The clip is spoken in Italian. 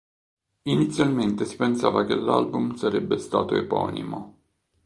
Inizialmente si pensava che l'album sarebbe stato eponimo.